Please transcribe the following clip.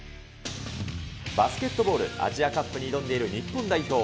バスケットボール、アジアカップに挑んでいる日本代表。